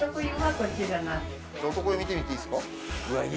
男湯見てみていいですか？